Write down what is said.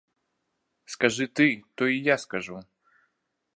Скажы ты, то і я скажу!